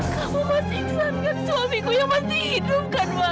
kamu masih ingat kan suamiku yang masih hidup kan mas